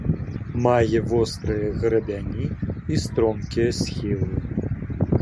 Мае вострыя грабяні і стромкія схілы.